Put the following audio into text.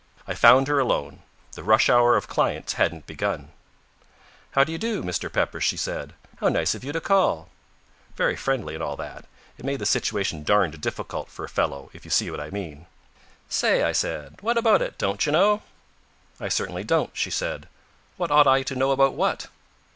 I found her alone. The rush hour of clients hadn't begun. "How do you do, Mr. Pepper?" she said. "How nice of you to call." Very friendly, and all that. It made the situation darned difficult for a fellow, if you see what I mean. "Say," I said. "What about it, don't you know?" "I certainly don't," she said. "What ought I to know about what?"